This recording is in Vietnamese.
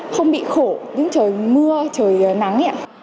không bị khổ đứng trời mưa trời nắng